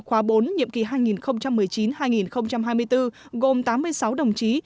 khóa bốn nhiệm kỳ hai nghìn một mươi chín hai nghìn hai mươi bốn gồm tám mươi sáu đồng chí